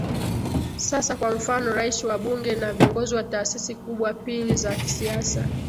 sasa kwa mfano Rais wa bunge na viongozi wa taasisi kubwa pili za kisiasa